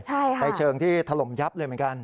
ใช่ค่ะในเชิงที่ถล่มยับเลยเหมือนกัน